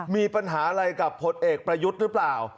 มีปัญหาอะไรกับผลเอกประยุทธ์หรือเปล่า